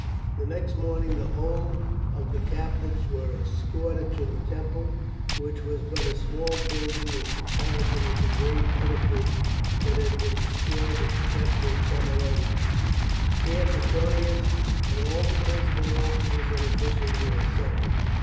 The next morning the whole of the captives were escorted to the temple, which was but a small building in comparison with the great edifice that had been destroyed at the capture of Camalodunum. Here Petronius and all the principal officers and officials were assembled.